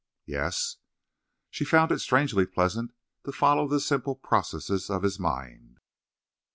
"Yes." She found it strangely pleasant to follow the simple processes of his mind.